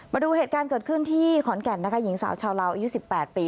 มาดูเหตุการณ์เกิดขึ้นที่ขอนแก่นนะคะหญิงสาวชาวลาวอายุ๑๘ปี